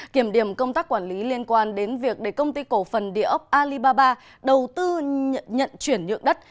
kiểm điểm công tác quản lý liên quan đến việc để công ty cổ phần địa ốc alibaba đầu tư nhận chuyển nhượng đất